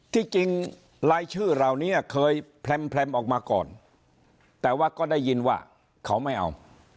ที่จริงรายชื่อเหล่านี้เคยแพร่มออกมาก่อนแต่ว่าก็ได้ยินว่าเขาไม่เอา